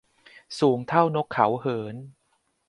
สูงเท่านกเขาเหิน